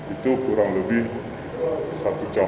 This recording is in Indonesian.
itu kurang lebih satu jam